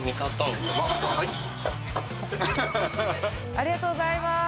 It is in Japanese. ありがとうございます。